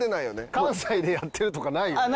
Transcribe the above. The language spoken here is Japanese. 関西でやってるとかないよね？